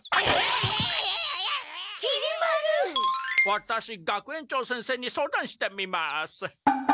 ワタシ学園長先生に相談してみます。